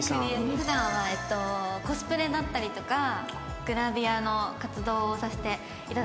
普段はコスプレだったりとかグラビアの活動をさせて頂いております。